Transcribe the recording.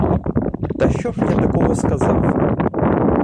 Та що ж я такого сказав?!